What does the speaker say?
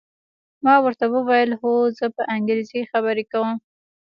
ما ورته وویل: هو، زه په انګریزي خبرې کوم.